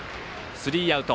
スリーアウト。